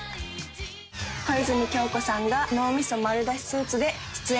小泉今日子さんが脳みそ丸出しスーツで出演。